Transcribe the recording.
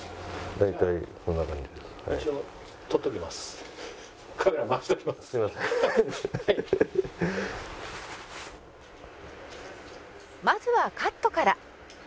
「まずはカットから」